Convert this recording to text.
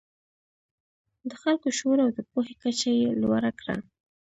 د خلکو شعور او د پوهې کچه یې لوړه کړه.